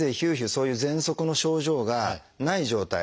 そういうぜんそくの症状がない状態。